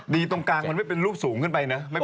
ตรงกลางมันไม่เป็นรูปสูงขึ้นไปนะ